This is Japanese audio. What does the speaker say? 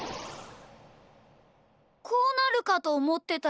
こうなるかとおもってたよ。